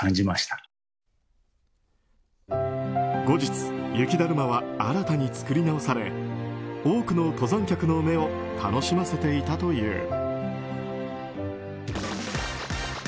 後日、雪だるまは新たに作り直され多くの登山客の目を楽しませていたという。